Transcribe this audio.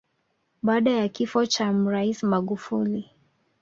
Baada ya kifo cha Mraisi Magufuli